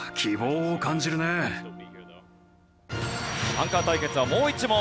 アンカー対決はもう１問。